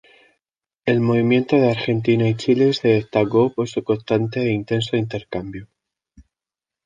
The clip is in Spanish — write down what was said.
El movimiento en Argentina y Chile se destacó por su constante e intenso intercambio.